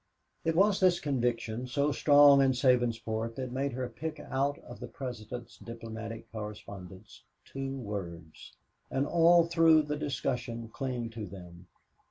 It was this conviction, so strong in Sabinsport, that made her pick out of the President's diplomatic correspondence two words, and all through the discussion cling to them.